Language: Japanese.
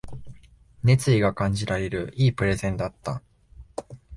熱意が感じられる良いプレゼンだった